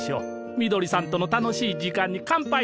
みどりさんとの楽しい時間にかんぱい！